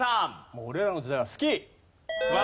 もう俺らの時代はスキー。